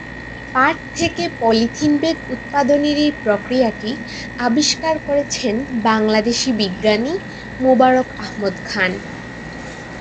পাট থেকে polythene bag উৎপাদনের এই প্রক্রিয়াটি আবিষ্কার করেছেন বাংলাদেশী বিজ্ঞানী মোবারক আহমদ খান।